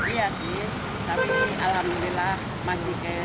iya sih tapi alhamdulillah masih kayak